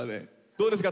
どうですか？